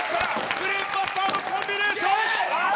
ブレーンバスターのコンビネーション。